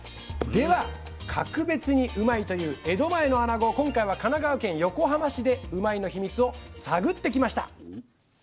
では格別にうまいという江戸前のあなごを今回は神奈川県横浜市でうまいッ！のヒミツを探ってきました。